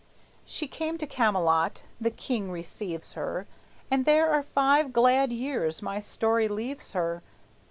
She came to Camelot; the king receives her; And there for five glad years my story leaves her.